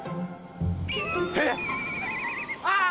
えっ！？あっ！